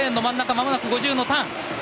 間もなく５０のターン。